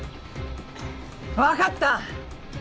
わかった！